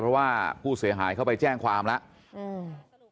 เพราะว่าผู้เสียหายเขาไปแจ้งความแล้วอืม